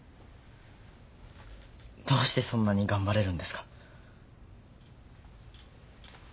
どうしてそんなに頑張れるんですか？